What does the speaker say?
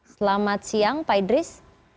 selamat siang pak idris